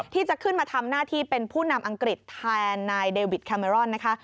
ที่จะขึ้นมาทำหน้าที่เป็นผู้นำอังกฤษแทนนายเดวิดแคเมรอนนะคะ